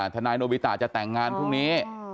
ทนายโนบิตะจะแต่งงานพรุ่งนี้